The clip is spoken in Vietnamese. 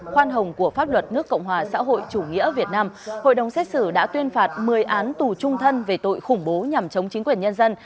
khoan hồng của pháp luật nước cộng hòa xã hội chủ nghĩa việt nam hội đồng xét xử đã tuyên phạt một mươi án tù trung thân về tội khủng bố nhằm chống chính quyền nhân dân